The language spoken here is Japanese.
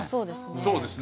そうですね。